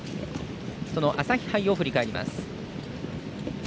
その朝日杯を振り返ります。